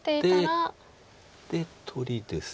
で取りです。